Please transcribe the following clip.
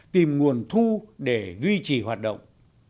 tìm nguồn thu để duy trì hoạt động